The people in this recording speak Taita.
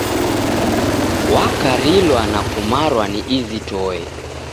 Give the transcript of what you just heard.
Wakarilwa na kumarwa ni izi toe.